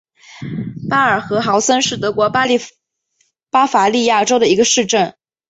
布尔格豪森是德国巴伐利亚州的一个市镇。